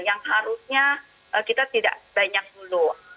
yang harusnya kita tidak sebanyak dulu